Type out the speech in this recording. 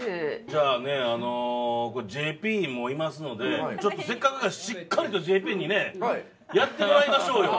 じゃああのＪＰもいますのでちょっとせっかくやししっかりとＪＰにねやってもらいましょうよ。